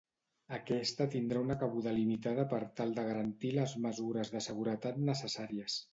Aquesta tindrà una cabuda limitada per tal de garantir les mesures de seguretat necessàries.